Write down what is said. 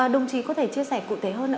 đồng chí có thể chia sẻ cụ thể hơn